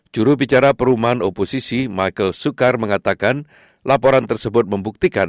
jurubicara perumahan oposisi michael sukar mengatakan laporan tersebut membuktikan